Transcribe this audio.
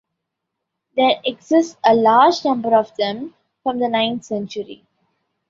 There exists a large number of them, from the ninth century.